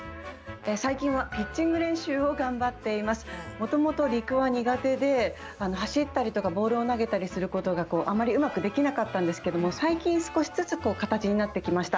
もともと陸は苦手で走ったりとかボールを投げたりすることがあまりうまくできなかったんですけども最近少しずつ形になってきました。